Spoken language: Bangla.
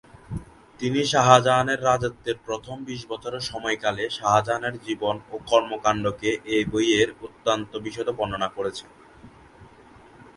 তিনি শাহজাহানের রাজত্বের প্রথম বিশ বছরের সময়কালে শাহজাহানের জীবন ও কর্মকাণ্ডকে এই বইয়ে অত্যন্ত বিশদে বর্ণনা করেছেন।